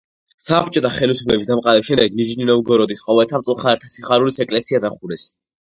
საბჭოთა ხელისუფლების დამყარების შემდეგ ნიჟნი-ნოვგოროდის ყოველთა მწუხარეთა სიხარულის ეკლესია დახურეს.